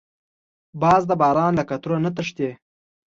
باز د باران له قطرو نه تښتي